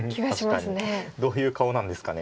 確かにどういう顔なんですかね。